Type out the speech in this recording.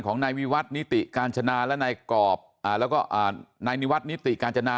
ของนายวิวัตนิติกาญจนาและนายกรอบแล้วก็นายนิวัฒนิติกาญจนา